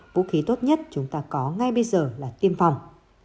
vũ khí tốt nhất chúng ta có ngay bây giờ là tiêm phòng